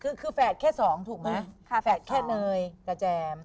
คือคือแฟดแค่สองถูกไหมค่ะแฟดแค่เนยกระแจม